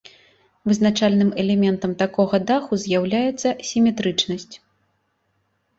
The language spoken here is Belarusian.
Вызначальным элементам такога даху з'яўляецца сіметрычнасць.